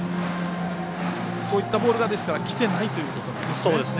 そういったボールがきてないということですね。